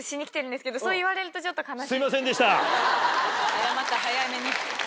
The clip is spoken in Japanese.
謝った早めに。